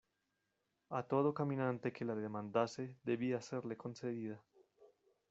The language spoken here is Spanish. a todo caminante que la demandase debía serle concedida.